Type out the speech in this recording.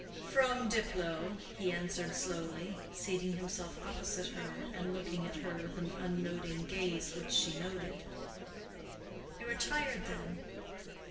"From Diplow," he answered slowly, seating himself opposite her and looking at her with an unnoting gaze which she noted. "You are tired, then."